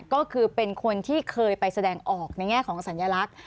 ก็คือเป็นคนที่เคยไปแสดงออกในแง่ของสัญลักษณ์